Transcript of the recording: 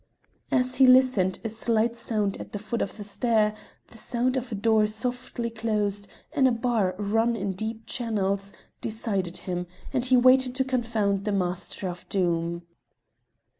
As he listened a slight sound at the foot of the stair the sound of a door softly closed and a bar run in deep channels decided him, and he waited to confound the master of Doom.